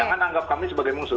jangan anggap kami sebagai musuh